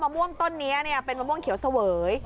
ม่วงต้นนี้เป็นมะม่วงเขียวเสวย